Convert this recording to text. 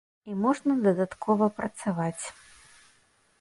І можна дадаткова працаваць.